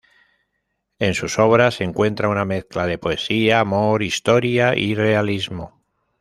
En sus obras se encuentra una mezcla de poesía, amor, historia y realismo.